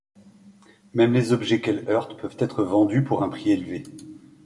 Même les objets qu'elles heurtent peuvent être vendus pour un prix élevé.